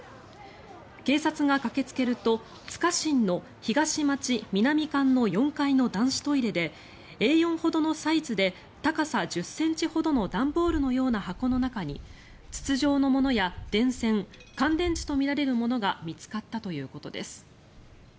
警察が駆け付けると「つかしん」の東町南館の４階の男子トイレでＡ４ほどのサイズで高さ１０ｃｍほどの段ボールの様な箱の中に筒状のものや電線乾電池とみられるものが見つかったということです。